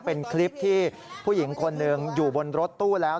เป็นคลิปที่ผู้หญิงคนหนึ่งอยู่บนรถตู้แล้ว